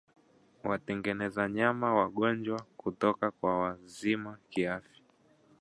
Watenge wanyama wagonjwa kutoka kwa wazima kiafya